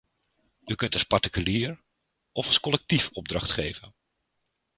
U kunt als particulier of als collectief opdracht geven.